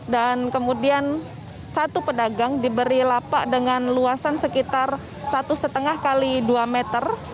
dan kemudian satu pedagang diberi lapak dengan luasan sekitar satu lima x dua meter